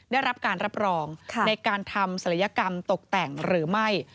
ได้รับการรับรองในการทำศัลยกรรมตกแต่งหรือไม่